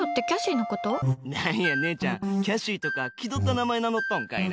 なんや、姉ちゃんキャシーとか気取った名前名乗っとんのかいな。